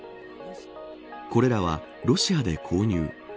これらはロシアで購入。